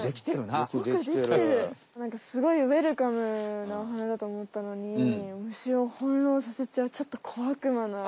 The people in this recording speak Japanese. なんかすごいウエルカムなお花だとおもったのに虫をほんろうさせちゃうちょっとこあくまな。